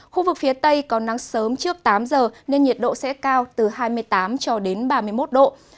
khu vực phía tây có nắng sớm trước tám giờ nên nhiệt độ sẽ cao từ hai mươi tám cho đến ba mươi một độ